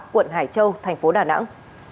quận hải châu thành phố đà nẵng